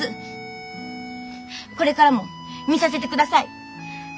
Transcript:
これからも見させてください。